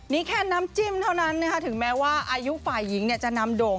นี่แค่น้ำจิ้มเท่านั้นถึงแม้ว่าอายุฝ่ายหญิงจะนำโด่ง